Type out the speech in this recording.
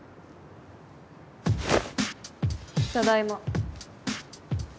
ただいま。